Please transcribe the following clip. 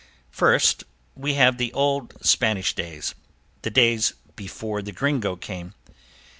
First we have the old Spanish days the days "before the Gringo came."